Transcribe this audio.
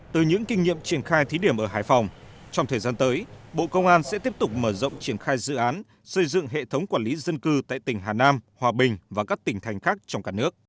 từ những kinh nghiệm triển khai thí điểm ở hải phòng trong thời gian tới bộ công an sẽ tiếp tục mở rộng triển khai dự án xây dựng hệ thống quản lý dân cư tại tỉnh hà nam hòa bình và các tỉnh thành khác trong cả nước